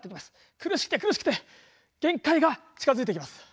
苦しくて苦しくて限界が近づいてきます。